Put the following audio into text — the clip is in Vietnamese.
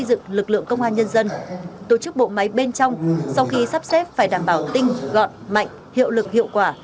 xây dựng lực lượng công an nhân dân tổ chức bộ máy bên trong sau khi sắp xếp phải đảm bảo tinh gọn mạnh hiệu lực hiệu quả